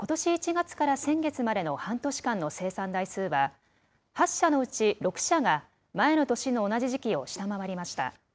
１月から先月までの半年間の生産台数は、８社のうち６社が前の年の同じ時期を下回りました。